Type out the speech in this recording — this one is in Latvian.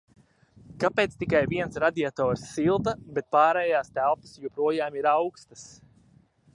Kāpēc tikai viens radiators silda, bet pārējās telpas joprojām ir aukstas?